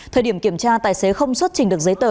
thời điểm kiểm tra tài xế không xuất trình được giấy tờ